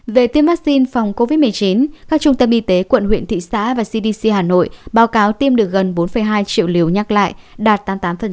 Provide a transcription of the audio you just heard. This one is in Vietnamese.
về tiêm vaccine phòng covid một mươi chín các trung tâm y tế quận huyện thị xã và cdc hà nội báo cáo tiêm được gần bốn hai triệu liều nhắc lại đạt tám mươi tám